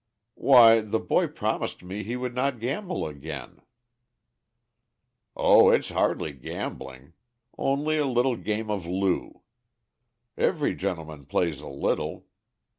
"Why the boy promised me he would not gamble again." "Oh! it's hardly gambling. Only a little game of loo. Every gentleman plays a little.